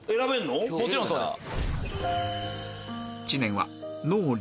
もちろんそうです。